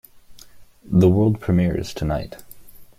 The world premiere is tonight!